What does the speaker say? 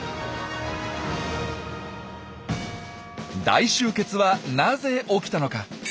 大集結はなぜ起きたのか？